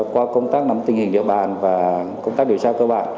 qua công tác nắm tình hình địa bàn và công tác điều tra cơ bản